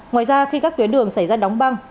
ngoài ra khi các tuyến đường xảy ra đóng băng